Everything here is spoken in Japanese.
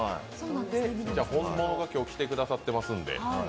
本物が今日来てくださっていますんで。